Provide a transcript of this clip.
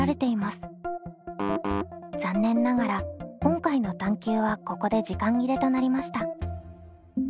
残念ながら今回の探究はここで時間切れとなりました。